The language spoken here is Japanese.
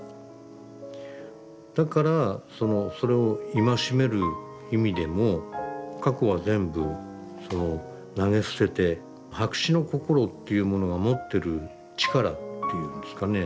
だからそれを戒める意味でも過去は全部投げ捨てて白紙の心っていうものが持ってる力っていうんですかね。